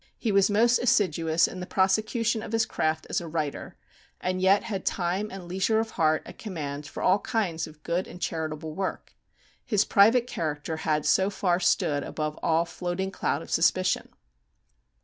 He was most assiduous in the prosecution of his craft as a writer, and yet had time and leisure of heart at command for all kinds of good and charitable work. His private character had so far stood above all floating cloud of suspicion.